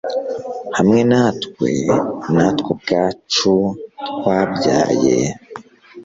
hamwe natwe, natwe ubwacu twabyaye